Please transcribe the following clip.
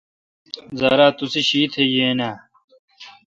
زارا توسی شیتھ یاین اؘ۔